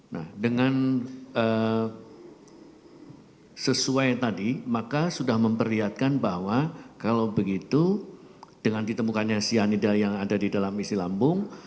nah dengan sesuai tadi maka sudah memperlihatkan bahwa kalau begitu dengan ditemukannya cyanida yang ada di dalam isi lambung